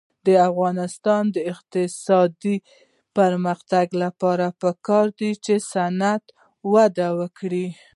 د افغانستان د اقتصادي پرمختګ لپاره پکار ده چې صنعت وده وکړي.